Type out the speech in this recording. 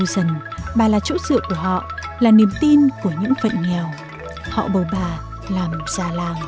xin chào và hẹn gặp lại